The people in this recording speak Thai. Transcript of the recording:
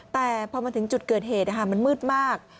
แต่พอมาถึงจุดเกิดเหตุมันมืดมาก